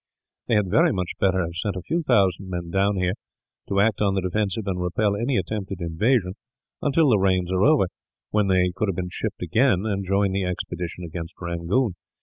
They had very much better have sent a few thousand men down here, to act on the defensive and repel any attempted invasion, until the rains are over; when they could have been shipped again, and join the expedition against Rangoon.